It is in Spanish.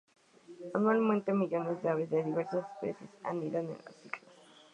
Anualmente millones de aves de diversas especies anidan en las islas.